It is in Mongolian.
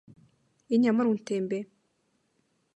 Энэ ямар үнэтэй юм бэ?